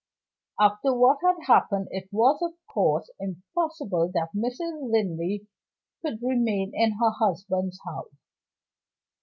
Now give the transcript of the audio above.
After what had happened, it was, of course, impossible that Mrs. Linley could remain in her husband's house.